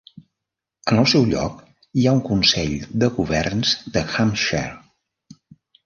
En el seu lloc hi ha un Consell de Governs de Hampshire.